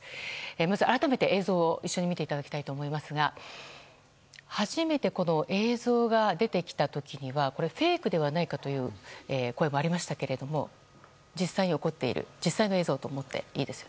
まず改めて、映像を一緒に見ていただきたいんですが初めてこの映像が出てきた時にはフェイクではないかという声もありましたけれども実際に起こっている実際の映像とみていいですか？